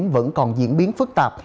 vẫn còn diễn biến phức tạp